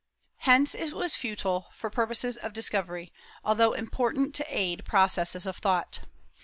Hence it was futile for purposes of discovery, although important to aid processes of thought.